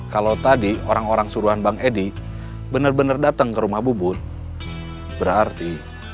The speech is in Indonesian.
kalau tadi orang orang suruhan bang edi benar benar datang ke rumah bubun berarti